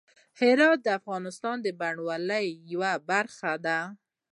هرات د افغانستان د بڼوالۍ یوه برخه ده.